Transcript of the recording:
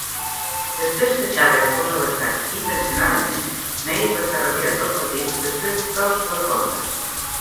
Després que Chávez fos avançat intencionadament, Mays va ser retirat del partit després dels les rondes.